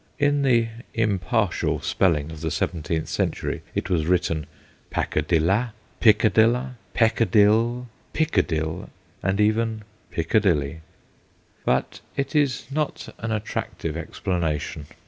(In the impartial spelling of the seventeenth century it was written Pakadilla, Pickadilla, Pecka dille, Pickedille, and even Piccadilly.) But it is not an attractive explanation.